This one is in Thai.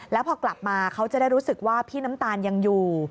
แล้วพอกลับมาเขาจะได้รู้สึกว่าพี่น้ำตาลยังอยู่